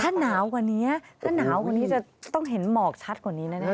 ถ้าหนาวกว่านี้จะต้องเห็นเหมาะชัดกว่านี้แน่